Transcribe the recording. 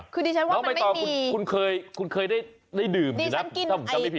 คือดีฉันว่ามันไม่มีคุณเคยได้ดื่มใช่มั้ยถ้าผมจำไม่ผิด